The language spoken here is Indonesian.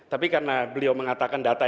tapi karena beliau mengatakan data